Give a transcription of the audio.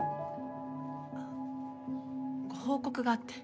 あっご報告があって。